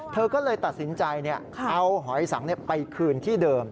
เธอก็เลยตัดสินใจเอาหอยสังไปคืนที่เดิม